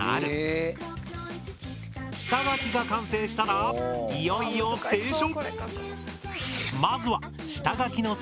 下書きが完成したらいよいよ清書。